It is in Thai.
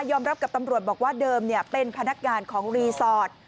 รับกับตำรวจบอกว่าเดิมเป็นพนักงานของรีสอร์ท